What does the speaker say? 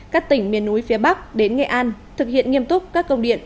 các tỉnh miền núi phía bắc đến nghệ an thực hiện nghiêm túc các công điện